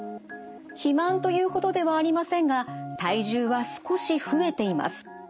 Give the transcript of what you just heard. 肥満というほどではありませんが体重は少し増えています。